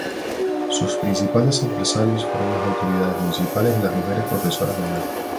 Sus principales adversarios fueron las autoridades municipales y las mujeres profesoras mayores.